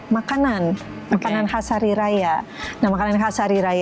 makanin makininya itu harus ditambahkan dengan ya kalau sudah masuk nisab nya